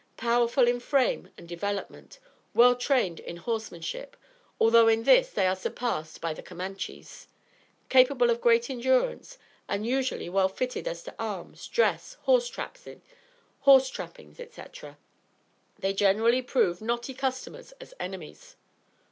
Powerful in frame and development; well trained in horsemanship, although in this they are surpassed by the Camanches; capable of great endurance; and, usually well fitted as to arms, dress, horse trappings, et cætera, they generally prove knotty customers as enemies.